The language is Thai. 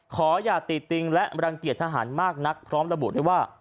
ขออย่าติดติงและรังเกียจทหารมากนักพร้อมระบุได้ว่า